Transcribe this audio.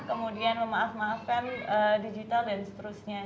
kemudian memaaf maafkan digital dan seterusnya